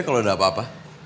kalau ada apa apa